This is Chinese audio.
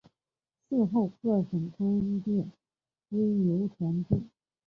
嗣后各省官电归邮传部。